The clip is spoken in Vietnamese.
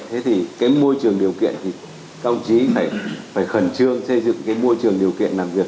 thế thì cái môi trường điều kiện thì các ông chí phải khẩn trương xây dựng cái môi trường điều kiện làm việc